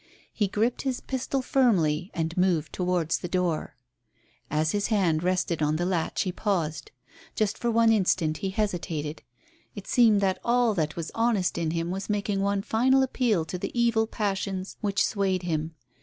He gripped his pistol firmly and moved towards the door. As his hand rested on the latch he paused. Just for one instant he hesitated. It seemed as though all that was honest in him was making one final appeal to the evil passions which swayed him.